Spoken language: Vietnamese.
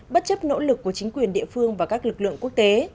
bất chấp nỗ lực của chính quyền địa phương và các lực lượng quốc tế